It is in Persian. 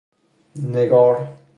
نگار